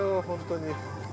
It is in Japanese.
本当に。